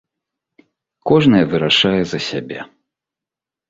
Кожная вырашае за сябе.